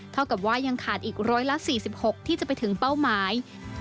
เท่ากับว่ายังขาดอีก๑๔๖ที่จะไปถึงเป้าหมาย